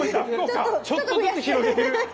ちょっとずつ広げる。